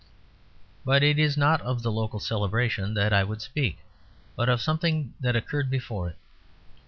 But it is not of the local celebration that I would speak, but of something that occurred before it.